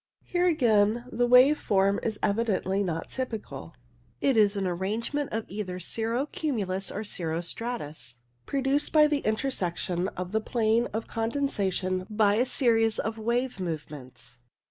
Here, again, the wave form is evidently not typical. It CO ^ lU s 5: s o i WAVE MOVEMENTS 123 is an arrangement of either cirro cumulus or cirro stratus, produced by the intersection of the plane of condensation by a series of wave movements.